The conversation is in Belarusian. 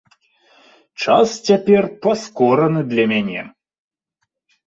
Час цяпер паскораны для мяне.